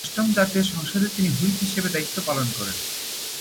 অষ্টম জাতীয় সংসদের তিনি হুইপ হিসেবে দায়িত্ব পালন করেন।